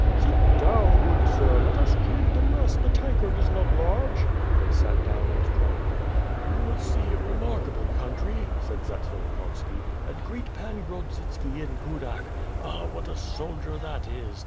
"Sit down, good sir, let us drink the rest, the tankard is not large." They sat down and drank. "You will see a remarkable country," said Zatsvilikhovski, "and greet Pan Grodzitski in Kudak! Ah, what a soldier that is!